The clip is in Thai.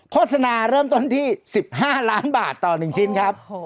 โฆษณาเริ่มต้นที่๑๕ล้านบาทต่อ๑ชิ้นครับ